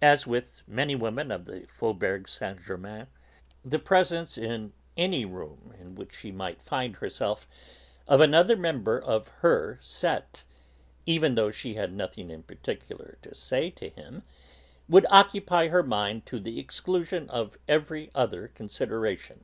As with many women of the Faubourg Saint Germain, the presence, in any room in which she might find herself, of another member of her set, even although she had nothing in particular to say to him, would occupy her mind to the exclusion of every other consideration.